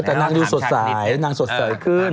ก็จะนั่งดูสดใสนั่งสดใสขึ้น